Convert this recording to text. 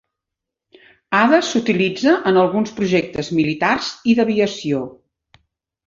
Ada s'utilitza en alguns projectes militars i d'aviació.